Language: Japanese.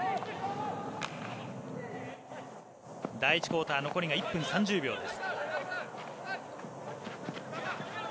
第１クオーター残りが１分３０秒です。